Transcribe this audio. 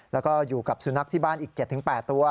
แล้วก็อยู่กับสุนัขที่บ้านอีก๗๘ตัว